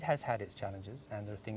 dan ada hal yang tidak diharapkan